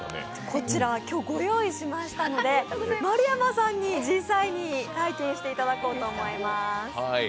こちら、今日ご用意しましたので丸山さんに実際に体験していただこうと思います。